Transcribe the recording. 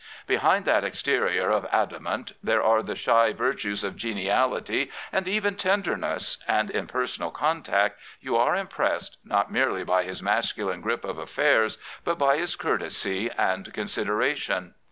Behind that exterior of adamant there are the shy virtues of geniality and evenTendemess, and in personal contact you are im pressed not merely by his masculine grip of affairs, but by his courtesy and consideration.